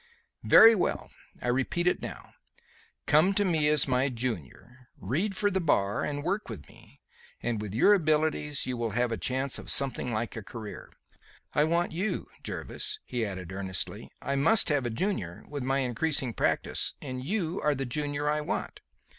"Very well. I repeat it now. Come to me as my junior, read for the Bar and work with me, and, with your abilities, you will have a chance of something like a career. I want you, Jervis," he added, earnestly. "I must have a junior, with my increasing practice, and you are the junior I want.